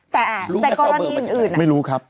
แต่ก็ต้องมีอื่นไม่รู้ครับ